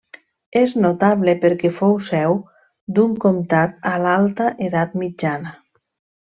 És notable perquè fou seu d'un comtat a l'alta edat mitjana.